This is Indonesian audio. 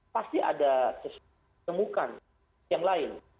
pasti ada temukan yang lain